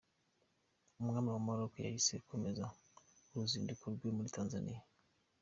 Umwami wa Maroc yahise akomereza uruzinduko rwe muri Tanzania.